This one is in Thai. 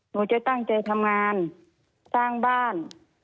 หนูจะตั้งใจทำงานสร้างบ้าน